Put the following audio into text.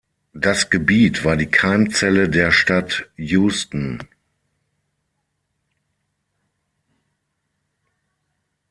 Das Gebiet war die Keimzelle der Stadt Houston.